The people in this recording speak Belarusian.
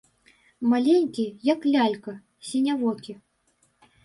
Маленькі, як лялька, сінявокі.